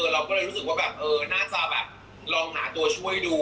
เราก็เลยรู้สึกว่าแบบน่าจะแบบลองหาตัวช่วยดู